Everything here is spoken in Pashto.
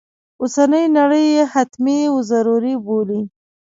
اوسنی نړی یې حتمي و ضروري بولي.